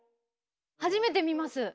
初めて見ます。